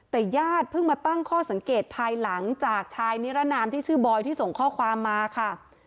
แต่ญาติเพิ่งมาตั้งข้อสังเกตภายหลังจากชายนิรนามที่ชื่อบอยที่ส่งข้อความมาค่ะ